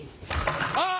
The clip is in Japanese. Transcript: ああ！